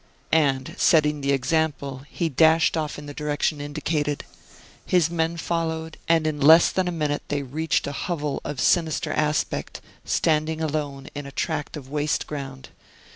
And, setting the example, he dashed off in the direction indicated. His men followed, and in less than a minute they reached a hovel of sinister aspect, standing alone, in a tract of waste ground.